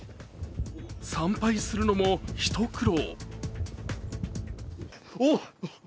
参拝するのも一苦労。